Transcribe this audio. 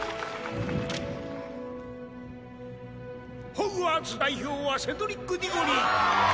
ホグワーツ代表はセドリック・ディゴリー！